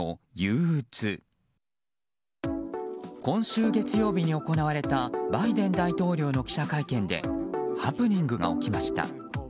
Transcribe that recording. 今週月曜日に行われたバイデン大統領の記者会見でハプニングが起きました。